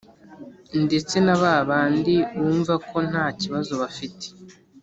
Ndetse na ba bandi wumva ko nta kibazo bafite